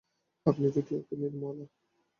আপনি যদি ওঁকে– নির্মলা।